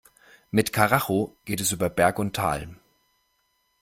Mit Karacho geht es über Berg und Tal.